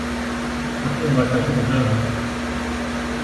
I feel like I should have known that.